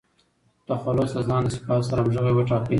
تخلص د ځان له صفاتو سره همږغى وټاکئ!